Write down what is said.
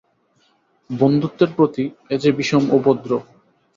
বন্ধুত্বের প্রতি এ যে বিষম উপদ্রব।